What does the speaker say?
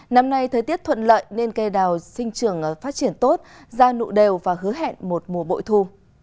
năm nay thời tiết thuận lợi nên cây đào sinh trường phát triển tốt gia nụ đều và hứa hẹn một mùa bội thu